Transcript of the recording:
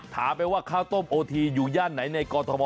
ถามไปว่าข้าวต้มโอทีอยู่ย่านไหนในกอทม